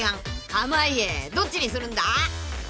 濱家どっちにするんだ？］